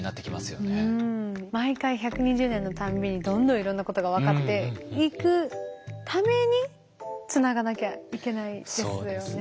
毎回１２０年の度にどんどんいろんなことが分かっていくためにつながなきゃいけないですよね。